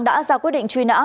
đã ra quyết định truy nã